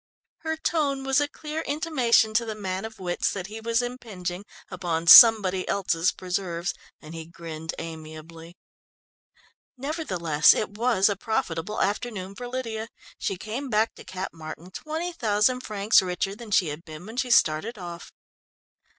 Her tone was a clear intimation to the man of wits that he was impinging upon somebody else's preserves and he grinned amiably. Nevertheless, it was a profitable afternoon for Lydia. She came back to Cap Martin twenty thousand francs richer than she had been when she started off.